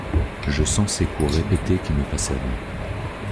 Je sens ses coups répétés qui me façonnent.